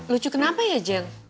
lucu kenapa ya jeng